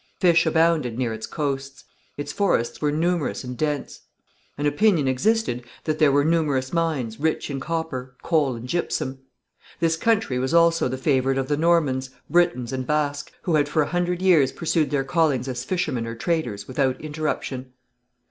Fish abounded near its coasts; its forests were numerous and dense. An opinion existed that there were numerous mines, rich in copper, coal and gypsum. This country was also the favourite of the Normans, Britons and Basques, who for a hundred years had pursued their callings as fishermen or traders without interruption.